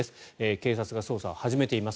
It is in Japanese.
警察が捜査を始めています。